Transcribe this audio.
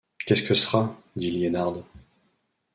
Qu’est-ce que ce sera? dit Liénarde.